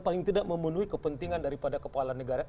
paling tidak memenuhi kepentingan daripada kepala negara